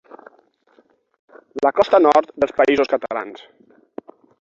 La costa nord dels Països Catalans.